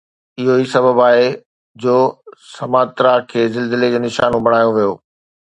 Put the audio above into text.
اهو ئي سبب آهي جو سماترا کي زلزلي جو نشانو بڻايو ويو